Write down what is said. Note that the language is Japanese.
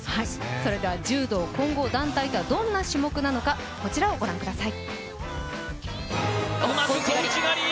それでは柔道混合団体とはどんな種目なのか、ご覧ください。